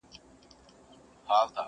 خیالي ځوانان راباندي مري خونکاره سومه،